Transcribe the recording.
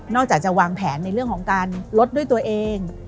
จากจะวางแผนในเรื่องของการลดด้วยตัวเอง